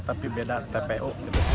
tapi beda tpu